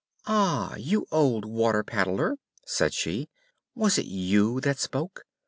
"Ah! you old water paddler," said she, "was it you that spoke?